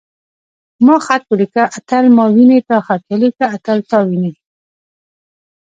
ما خط وليکه. اتل ما ويني.تا خط وليکه. اتل تا ويني.